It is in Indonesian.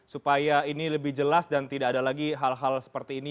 supaya ini lebih jelas dan tidak ada lagi hal hal seperti ini